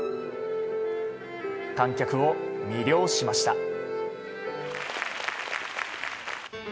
観客を魅了しました。